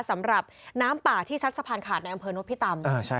สำหรับน้ำป่าที่ซัดสะพานขาดในอำเภอนพิตำ